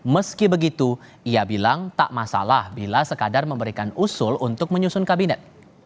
meski begitu ia bilang tak masalah bila sekadar memberikan usul untuk menyusun kabinet